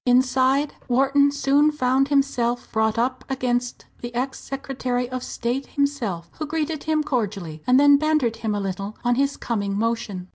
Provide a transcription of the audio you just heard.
Inside, Wharton soon found himself brought up against the ex Secretary of State himself, who greeted him cordially, and then bantered him a little on his coming motion.